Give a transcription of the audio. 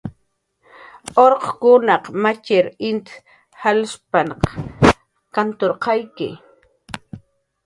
Urqkunaq matxir int jalsh kanturqayawi